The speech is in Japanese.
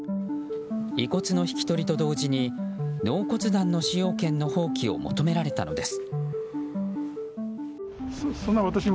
遺骨の引き取りと同時に納骨壇の使用権の放棄を求められたのです。